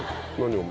お前。